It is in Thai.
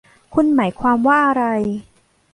คุณหมายความว่าอะไร